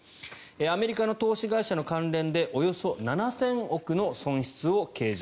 アメリカの投資会社の関連でおよそ７０００億円の損失を計上。